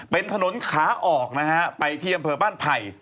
เป็นถนนขาออกนะฮะไปที่อำเภอบ้านไผ่